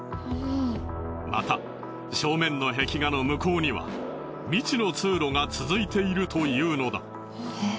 また正面の壁画の向こうには未知の通路が続いているというのだ。